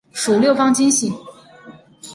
属六方晶系。